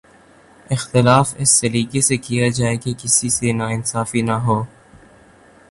اختلاف اس سلیقے سے کیا جائے کہ کسی سے ناانصافی نہ ہو